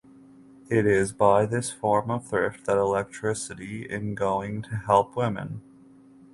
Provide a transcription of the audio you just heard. It is by this form of thrift that electricity in going to help women.